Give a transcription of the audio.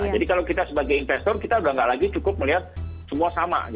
jadi kalau kita sebagai investor kita sudah tidak lagi cukup melihat semua sama